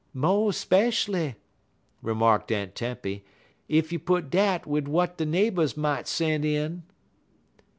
"Mo' speshually," remarked Aunt Tempy, "ef you put dat wid w'at de neighbors mought sen' in."